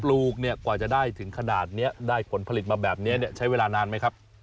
ลูกเนี่ยกว่าจะได้ถึงขนาดนี้ได้ผลผลิตมาแบบนี้ใช้เวลานานไหมครับ